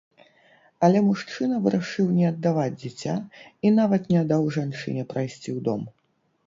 Але мужчына вырашыў не аддаваць дзіця і нават не даў жанчыне прайсці ў дом.